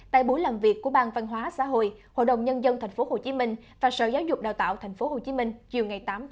tại buổi làm việc của ban phân hóa xã hội hội đồng nhân dân tp hcm và sở giáo dục đào tạo tp hcm chiều tám một mươi một